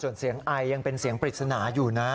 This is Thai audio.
ส่วนเสียงไอยังเป็นเสียงปริศนาอยู่นะ